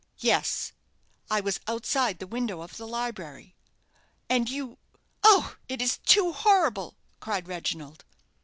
"Yes, I was outside the window of the library." "And you ! oh, it is too horrible," cried Reginald.